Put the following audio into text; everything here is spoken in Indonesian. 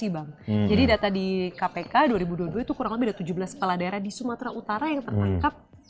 bang jadi data di kpk dua ribu dua puluh dua itu kurang lebih ada tujuh belas kepala daerah di sumatera utara yang tertangkap